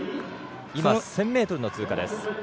今１０００ｍの通過です。